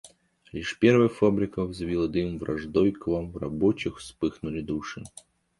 Лишь первая фабрика взвила дым — враждой к вам в рабочих вспыхнули души.